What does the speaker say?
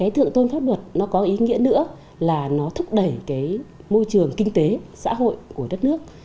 thượng tôn pháp luật nó có ý nghĩa nữa là nó thúc đẩy cái môi trường kinh tế xã hội của đất nước